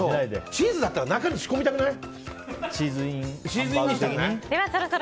チーズだったら中に仕込みたくない？